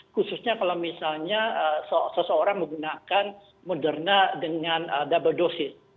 khususnya kalau misalnya seseorang menggunakan moderna dengan double dosis